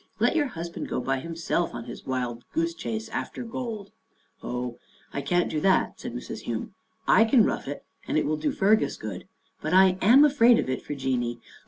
" Let your husband go by himself, on his wild goose chase after gold." "Oh, I can't do that," said Mrs. Hume. " I can rough it, and it will do Fergus good, but I am afraid of it for Jeanie."